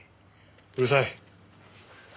うるさい。